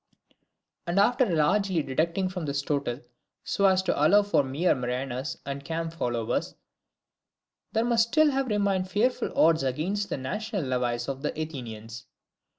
And after largely deducting from this total, so as to allow for mere mariners and camp followers, there must still have remained fearful odds against the national levies of the Athenians.